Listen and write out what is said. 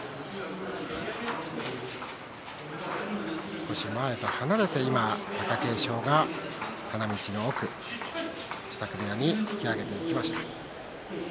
少し前と離れて今、貴景勝が花道の奥支度部屋に引き揚げていきました。